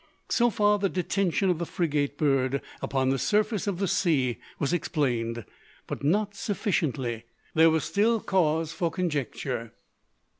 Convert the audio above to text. So far the detention of the frigate bird upon the surface of the sea was explained; but not sufficiently. There was still cause for conjecture.